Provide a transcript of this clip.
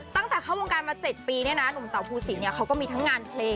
ตั้งแต่เข้าวงการมา๗ปีเนี่ยนะหนุ่มเต่าภูสินเนี่ยเขาก็มีทั้งงานเพลง